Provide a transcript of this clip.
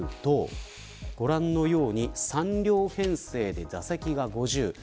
ご覧のように３両編成で座席は５０です。